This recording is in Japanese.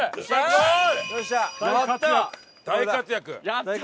やった！